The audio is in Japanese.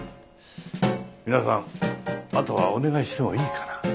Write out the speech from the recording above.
皆さんあとはお願いしてもいいかな。